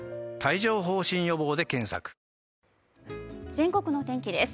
全国のお天気です。